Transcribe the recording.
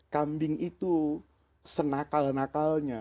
kambing itu senakal nakalnya